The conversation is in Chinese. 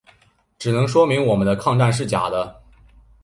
只能说明我们的抗战是假的。